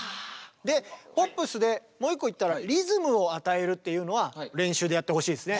でポップスでもう１個言ったらリズムを与えるっていうのは練習でやってほしいですね。